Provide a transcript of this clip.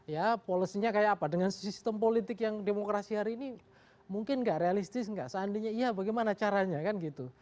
ya policy nya kayak apa dengan sistem politik yang demokrasi hari ini mungkin nggak realistis nggak seandainya iya bagaimana caranya kan gitu